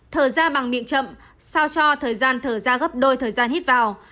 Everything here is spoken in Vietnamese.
thở ra bằng điện chậm sao cho thời gian thở ra gấp đôi thời gian hít vào